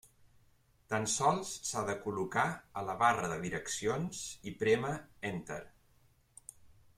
Tan sols s'ha de col·locar a la barra de direccions i prémer 'Enter'.